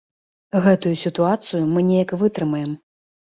Гэтую сітуацыю мы неяк вытрымаем.